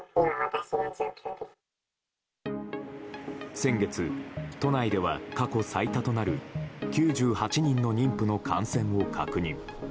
先月、都内では過去最多となる９８人の妊婦の感染を確認。